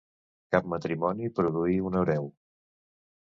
Cap matrimoni produir un hereu.